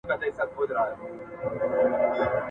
د کښتۍ مسافر ..